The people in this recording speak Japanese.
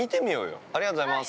◆ありがとうございます。